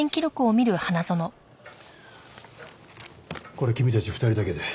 これ君たち２人だけで？